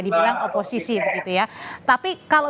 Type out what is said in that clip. dibilang oposisi begitu ya tapi kalau